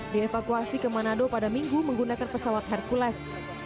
dievakuasi ke manado pada minggu menggunakan pesawat hercules